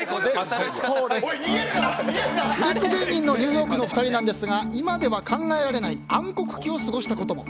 人気芸人のニューヨークのお二人なんですが今では考えられない暗黒期を過ごしたことも。